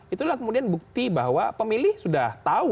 itulah kemudian bukti bahwa pemilih sudah tahu